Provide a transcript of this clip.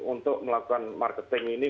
untuk melakukan marketing ini